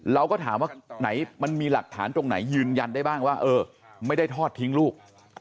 เราก็ถามว่าไหนมันมีหลักฐานตรงไหนยืนยันได้บ้างว่าเออไม่ได้ทอดทิ้งลูก